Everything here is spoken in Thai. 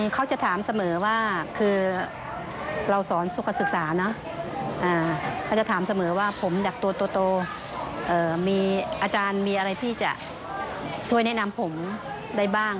เขาจะถามเสมอว่าคือเราสอนสุขศึกษานะเขาจะถามเสมอว่าผมดักตัวโตมีอาจารย์มีอะไรที่จะช่วยแนะนำผมได้บ้าง